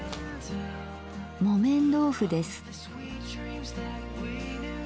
木綿豆腐です。